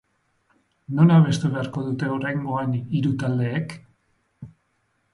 Non abestu beharko dute oraingoan hiru taldeek?